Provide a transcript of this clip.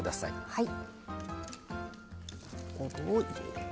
はい。